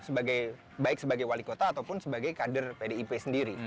sebagai baik sebagai wali kota ataupun sebagai kader pdip sendiri